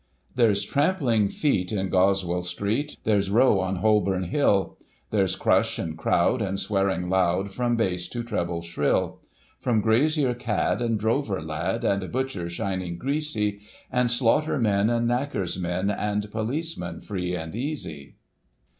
There's trampling feet in Goswell Street, there's row on Holborn Hill, There's crush and crowd, and swearing loud, from bass to treble shrill ; From grazier cad, and drover lad, and butcher shining greasy, And slaughter men, and knacker's men, and policemen free and easy.